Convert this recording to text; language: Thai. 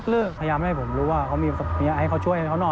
สำหรับตอนที่ดินจิติน